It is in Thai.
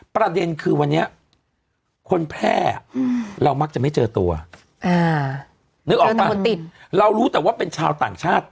ประเด็นคือวันนี้คนแพร่เรามักจะไม่เจอตัวนึกออกป่ะเรารู้แต่ว่าเป็นชาวต่างชาติ